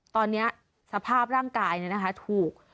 ตอนนี้สภาพร่างกายถูก